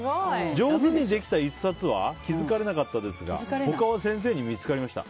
上手にできた１冊は気づかれなかったですが他は先生に見つかりました。